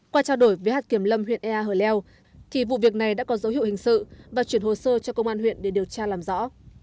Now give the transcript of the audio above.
qua trao đổi với hạt kiểm lâm huyện ea hở leo thì vụ việc này đã có dấu hiệu hình sự và chuyển hồ sơ cho công an huyện để điều tra làm rõ